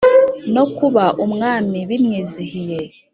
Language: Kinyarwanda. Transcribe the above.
no kuba umwami bimwizihiye